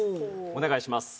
お願いします。